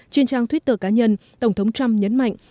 trên trang twitter cá nhân tổng thống trump nhấn mạnh